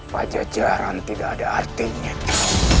pajajaran tidak ada arti